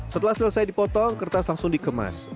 setelah selesai dipotong kertas langsung dikemas